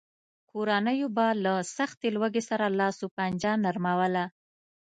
کورنیو به له سختې لوږې سره لاس و پنجه نرموله.